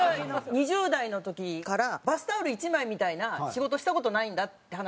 「２０代の時からバスタオル１枚みたいな仕事した事ないんだ」って話したの。